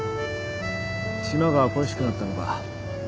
島が恋しくなったのか？